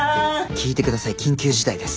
聞いて下さい緊急事態です。